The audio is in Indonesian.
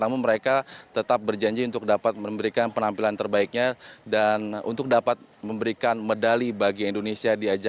namun mereka tetap berjanji untuk dapat memberikan penampilan terbaiknya dan untuk dapat memberikan medali bagi indonesia